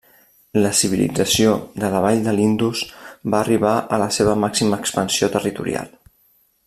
La Civilització de la vall de l'Indus va arribar a la seva màxima expansió territorial.